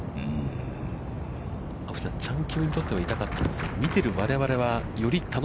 青木さん、チャン・キムにとっては痛かったですが、見ている我々は、より楽